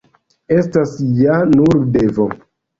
Estas ja nur devo.